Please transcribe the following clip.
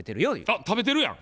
あっ食べてるやん。